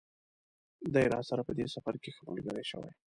دی راسره په دې سفر کې ښه ملګری شوی.